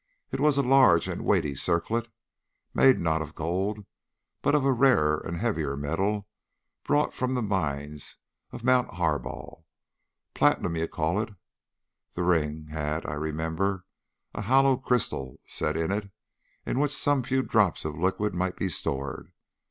It was a large and weighty circlet, made, not of gold, but of a rarer and heavier metal brought from the mines of Mount Harbal. Platinum, you call it. The ring had, I remembered, a hollow crystal set in it, in which some few drops of liquid might be stored.